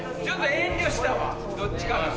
遠慮したわどっちかが。